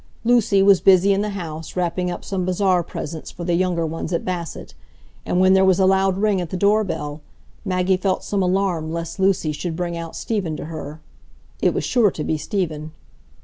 Lucy was busy in the house wrapping up some bazaar presents for the younger ones at Basset, and when there was a loud ring at the door bell, Maggie felt some alarm lest Lucy should bring out Stephen to her; it was sure to be Stephen.